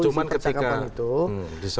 cuma ketika disampaikan sebelum rekomendasi